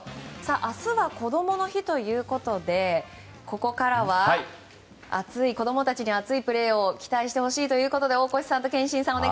明日はこどもの日ということでここからは子供たちに熱いプレーを期待してほしいということで大越さん、憲伸さん